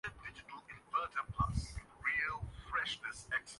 حالانکہ وہ بھی ایک فریق کی نمائندگی کر رہے ہیں۔